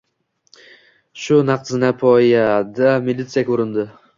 Shu vaqt zinapoyada militsiya ko‘rindi.